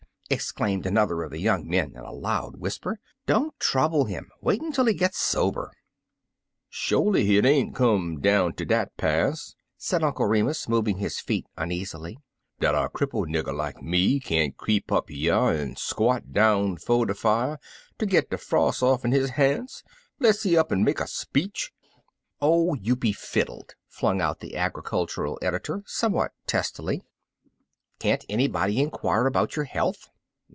'* exclaimed another of the young men in a loud whispen "Don't trouble him; wait imtil he gets sober!'* "Sho'ly hit ain't come down ter dat pass," said Uncle Remus, moving his feet uneasily, "dat a cripple nigger like me can't creep up yer an' squot down 'fo' de fier ter git de fros' off'n his ban's 'less he up'n make a speech." "Oh, you be fiddled!" flung out the agri cultural editor somewhat testily; "can't anybody inquire about your health?"